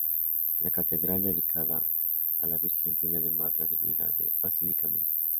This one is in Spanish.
La catedral, dedicada a la virgen, tiene además la dignidad de basílica menor.